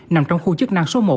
nằm trong khu chức năng số một